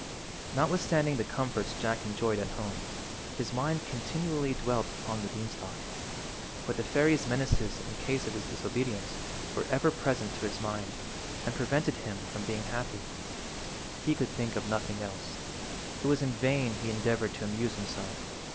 Notwithstanding the comforts Jack enjoyed at home, his mind continually dwelt upon the beanstalk, for the fairy's menaces in case of his disobedience were ever present to his mind and prevented him from being happy. He could think of nothing else. It was in vain he endeavoured to amuse himself.